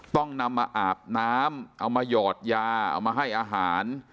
ต้องนำมาอาบน้ำเอามาหยอดยาเอามาให้อาหาร